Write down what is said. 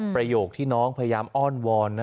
ประโยคที่น้องพยายามอ้อนวอนนะ